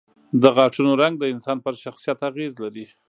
د غاښونو رنګ د انسان پر شخصیت اغېز لري.